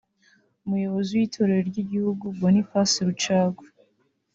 Umuyobozi w’Itorero ry’Igihugu Boniface Rucagu